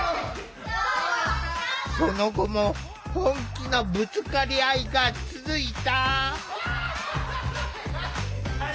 その後も本気のぶつかり合いが続いた。